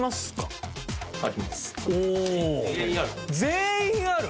全員ある！？